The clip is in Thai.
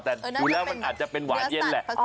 แต่ดูแล้วมันอาจจะเป็นหวานเย็นแหละ